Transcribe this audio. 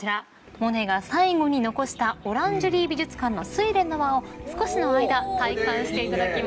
モネが最後に残したオランジュリー美術館の睡蓮の間を少しの間体感していただきます。